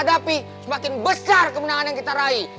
hadapi semakin besar kemenangan yang kita raih